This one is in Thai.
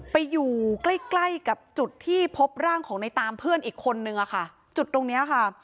ไปอยู่ใกล้ใกล้กับจุดที่พบร่างของในตามเพื่อนอีกคนนึงอะค่ะจุดตรงเนี้ยค่ะ